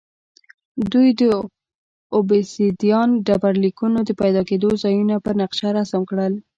دوی د اوبسیدیان ډبرلیکونو د پیدا کېدو ځایونه پر نقشه رسم کړل